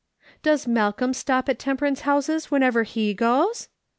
" Does Malcolm stop at temperance houses wherever he goes